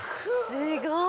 すごい。